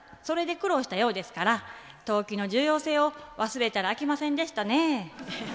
それで苦労したようですから登記の重要性を忘れたらあきませんでしたね。